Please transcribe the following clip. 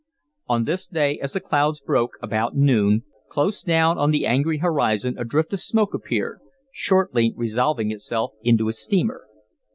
On this day, as the clouds broke, about noon, close down on the angry horizon a drift of smoke appeared, shortly resolving itself into a steamer.